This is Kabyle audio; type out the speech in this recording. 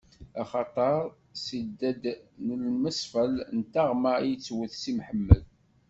Axaṭer s ided n lmefṣel n taɣma i yettwet Si Mḥemmed.